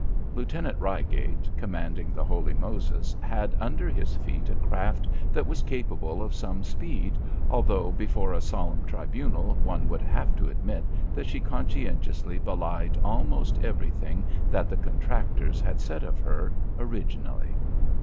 Lieutenant Reigate, commanding the Holy Moses, had under his feet a craft that was capable of some speed, although before a solemn tribunal, one would have to admit that she conscientiously belied almost everything that the contractors had said of her, originally.